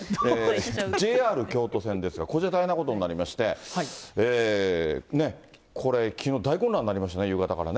ＪＲ京都線ですが、こちら、大変なことになりまして、これ、きのう、大混乱になりましたね、夕方からね。